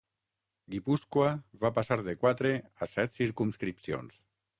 Guipúscoa va passar de quatre a set circumscripcions.